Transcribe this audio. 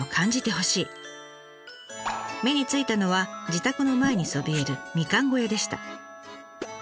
目についたのは自宅の前にそびえるみかん小屋でした。